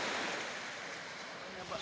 menguasai sampah yang ditemukan di pantai ini